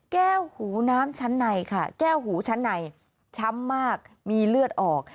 หูน้ำชั้นในค่ะแก้วหูชั้นในช้ำมากมีเลือดออก